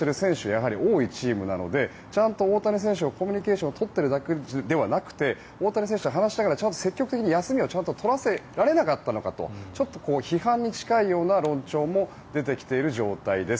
やはり多いチームなのでちゃんと大谷選手がコミュニケーションを取っているだけではなくて大谷選手と話しながら積極的に休みをちゃんと取らせられなかったのかとちょっと批判に近いような論調も出てきている状態です。